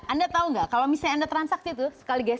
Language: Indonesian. anda tahu nggak kalau misalnya anda transaksi itu sekali gestu